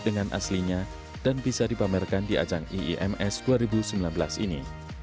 dengan aslinya dan bisa dipamerkan di ajang iims dua ribu sembilan belas ini